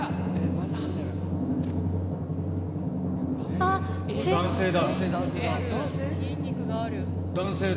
あっ、男性だ！